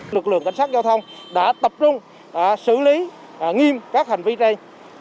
lực lượng cảnh sát giao thông đã tập trung xử lý nghiêm các hành vi này